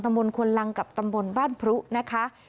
มนต์ควนลังกับตำบลบ้านพรุนะคะ